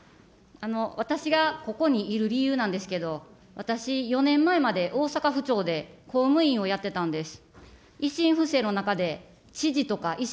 私がここにいる理由なんですけど、私、４年前まで大阪府庁で公務員をやってたんです。